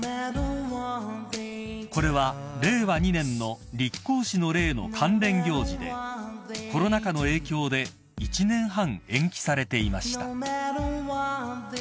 ［これは令和２年の立皇嗣の礼の関連行事でコロナ禍の影響で１年半延期されていました］